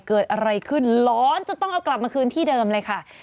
เกิดอะไรขึ้นร้อนจนต้องเอากลับมาคืนที่เดิมเลยค่ะ